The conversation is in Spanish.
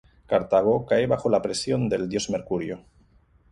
Cartago cae bajo la presión del dios Mercurio.